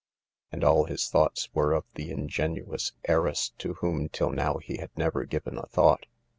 And all his thoughts were of the ingenuous heiress to whom till now he had never given a thought.